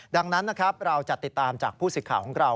ดังนั้นนะครับเราจะติดตามจากผู้สิทธิ์ข่าวของเรา